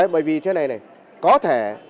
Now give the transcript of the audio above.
bởi vì thế này này có thể